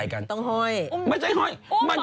ไม่ใช่ห้อย